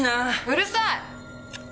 うるさい！